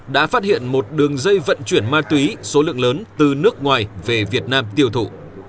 đã phát hiện một đường dây vận chuyển ma túy số lượng lớn từ nước ngoài về việt nam tiêu thụ